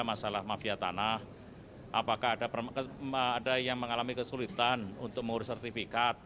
masalah mafia tanah apakah ada yang mengalami kesulitan untuk mengurus sertifikat